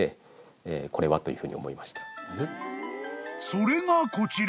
［それがこちら］